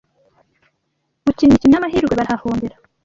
gukina imikino y’amahirwe barahahombera